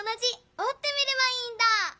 おってみればいいんだ！